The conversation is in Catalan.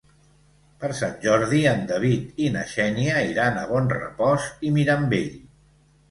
Per Sant Jordi en David i na Xènia iran a Bonrepòs i Mirambell.